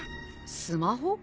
スマホ？